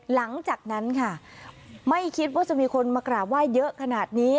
หลังจากนั้นค่ะไม่คิดว่าจะมีคนมากราบไหว้เยอะขนาดนี้